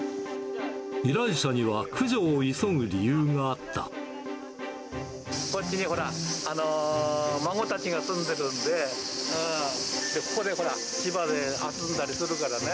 依頼者には駆除を急ぐ理由がこっちにほら、孫たちが住んでるんで、ここでほら、芝で遊んだりするからね。